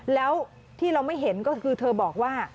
แล้วที่เราไม่เห็นก็คือเธอบอกว่า